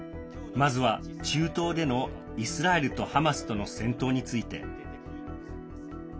まずは中東でのイスラエルとハマスとの戦闘について。